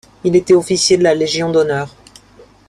Il était Officier de la Légion d'Honneur.